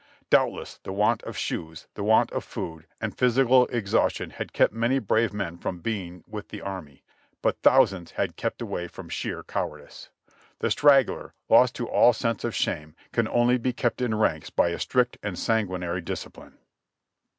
Doubtless the want of shoes, the want of food and physical exhaustion had kept many brave men from being with the army, but thousands had kept away from sheer cowardice. The straggler, lost to all sense of shame, can only be kept in ranks by a strict and sanguinary discipline."